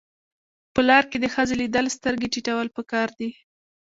په لار کې د ښځې لیدل سترګې ټیټول پکار دي.